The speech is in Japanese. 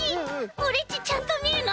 オレっちちゃんとみるのはじめてだ。